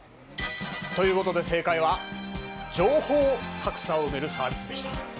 ということで正解は情報格差を埋めるサービスでした！